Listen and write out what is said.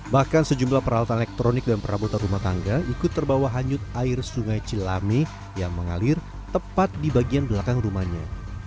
bahkan sejumlah peralatan elektronik dan perabotan rumah tangga ikut terbawa hanyut air sungai cilame yang mengalir tepat di bagian belakang rumahnya